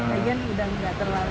lagi yang udah nggak terpaksa